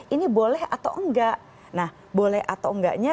ini boleh atau enggak nah boleh atau enggaknya